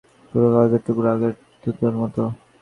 পুরোনো কাগজের টুকরো, আগের দুটোর মতো।